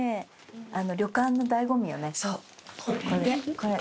これ。